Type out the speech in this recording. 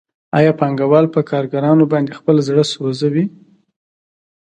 آیا پانګوال په کارګرانو باندې خپل زړه سوځوي